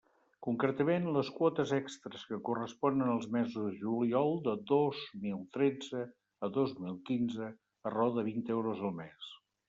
Concretament, les quotes extres que corresponen als mesos de juliol de dos mil tretze a dos mil quinze, a raó de vint euros al mes.